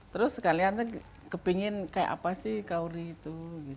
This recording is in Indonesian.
terus sekalian kepingin kayak apa sih kauri itu